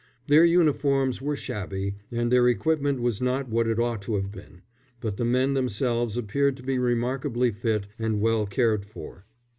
Their uniforms were shabby, and their equipment was not what it ought to have been, but the men themselves appeared to be remarkably fit and well cared for.